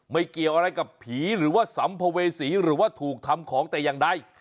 เกี่ยวอะไรกับผีหรือว่าสัมภเวษีหรือว่าถูกทำของแต่อย่างใด